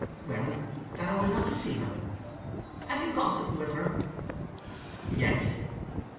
"Well—that I was not to see her." "Have you gossiped with her?" "Yes."